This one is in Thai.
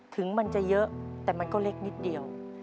ถึงมันจะเยอะแต่มันก็เล็กนิดเดียว